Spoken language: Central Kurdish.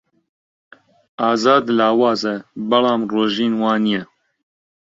ئازاد لاوازە، بەڵام ڕۆژین وانییە.